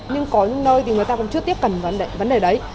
nhưng có những nơi thì người ta vẫn chưa tiếp cận vấn đề đấy